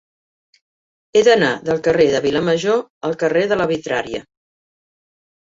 He d'anar del carrer de Vilamajor al carrer de la Vitrària.